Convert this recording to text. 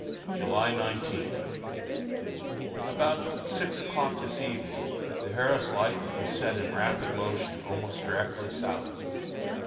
July 19. About six o'clock this evening the Harris Light was set in rapid motion almost directly south.